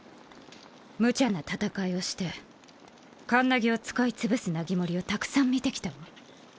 むちゃな戦いをしてカンナギを使い潰すナギモリをたくさん見てきたわ。